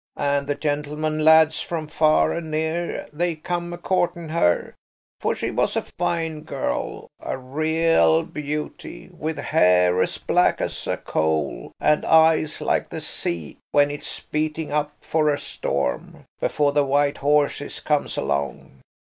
And the gentlemen lads from far and near they come a courting her, for she was a fine girl–a real beauty–with hair as black as a coal and eyes like the sea when it's beating up for a storm, before the white horses comes along.